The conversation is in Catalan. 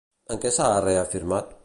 En què s'ha reafirmat?